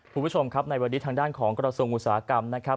คุณผู้ชมครับในวันนี้ทางด้านของกระทรวงอุตสาหกรรมนะครับ